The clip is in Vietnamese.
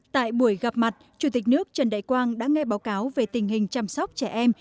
tại buổi gặp mặt chủ tịch nước trần đại quang đã nghe báo cáo về tình hình chăm sóc trẻ em